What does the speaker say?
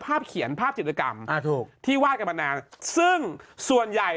เขียนภาพจิตกรรมอ่าถูกที่วาดกันมานานซึ่งส่วนใหญ่